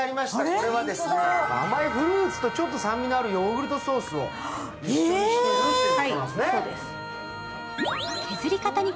これは甘いフルーツと酸味があるヨーグルトソースを一緒にしてるということなんですね。